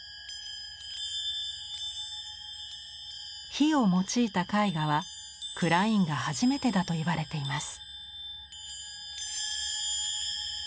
火を用いた絵画はクラインが初めてだといわれています。